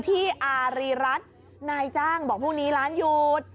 พี่อารีรัฐนายจ้างบอกพรุ่งนี้ร้านหยุด